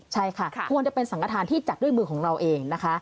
ใช่ค่ะควรจะเป็นสังกฐานที่จัดด้วยมือของเราเองนะคะ